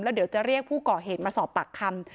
เดี๋ยวจะเรียกผู้ก่อเหตุมาสอบปากคำ